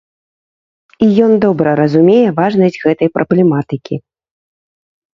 І ён добра разумее важнасць гэтай праблематыкі.